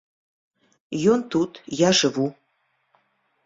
Ён тут, я жыву.